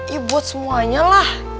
ya buat semuanya lah